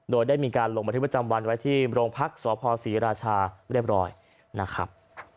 โดยได้มีการลงบันทึกประจำวันไว้ที่โรงพักษพศรีราชาเรียบร้อยนะครับ